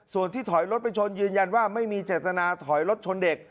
ส่วนที่ถอยรถไปชนยืนยันว่าไม่มีเจตนาถอยรถชนเด็ก